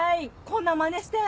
こんなまねして。